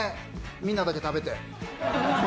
みんなだけ食べて。